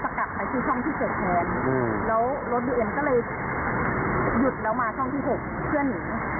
แฟนก็เลยสกัดไปที่ท่องที่เจ็ดแทนแล้วรถบีเอ็มก็เลยหยุดแล้วมาท่องที่หกเพื่อหนี